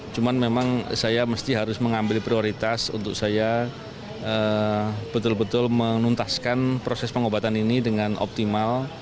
cuma memang saya harus mengambil prioritas untuk saya betul betul menuntaskan proses pengobatan ini dengan optimal